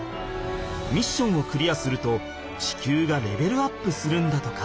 ミッションをクリアすると地球がレベルアップするんだとか。